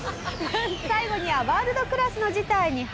最後にはワールドクラスの事態に発展。